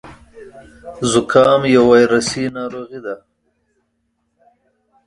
زکام يو وايرسي ناروغي ده.